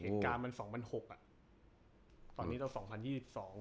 เหตุการณ์มันสองพันหกอ่ะตอนนี้เราสองพันยี่สิบสอง